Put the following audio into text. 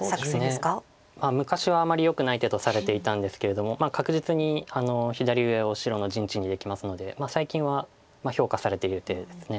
昔はあまりよくない手とされていたんですけれども確実に左上を白の陣地にできますので最近は評価されている手です。